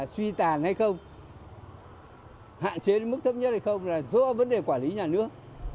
suy tàn hay không hạn chế đến mức thấp nhất hay không là do vấn đề quản lý nhà nước